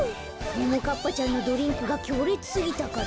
ももかっぱちゃんのドリンクがきょうれつすぎたから？